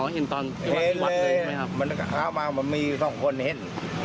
เห็นเลยมันเข้ามามันมีสองคนเห็น